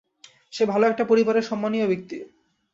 সে ভালো একটা পরিবারের সম্মানীয় ব্যক্তি।